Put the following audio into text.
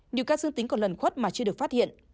nhiều ca dương tính còn lần khuất mà chưa được phát hiện